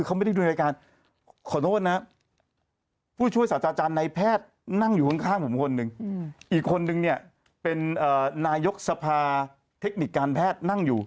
มีพวกมีนักเทคนิคการแพทย์นั่งอยู่